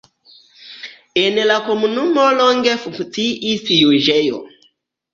En la komunumo longe funkciis juĝejo.